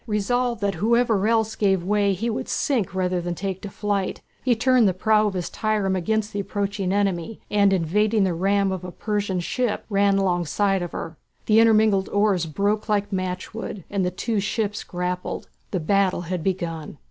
Resolved that whoever else gave way he would sink rather than take to flight, he turned the prow of his trireme against the approaching enemy, and evading the ram of a Persian ship ran alongside of her. The intermingled oars broke like matchwood, and the two ships grappled. The battle had begun.